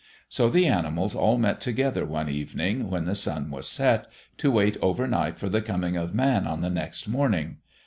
So the animals all met together one evening, when the sun was set, to wait overnight for the coming of Man on the next morning.